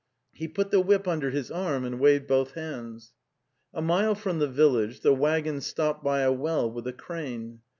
He put the whip under his arm and waved both hands. A mile from the village the waggons stopped by a well with a crane.